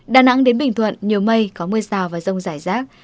đà nẵng đến bình thuận nhiều mây có mưa rào và rồng giải rác